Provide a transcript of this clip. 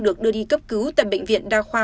được đưa đi cấp cứu tại bệnh viện đa khoa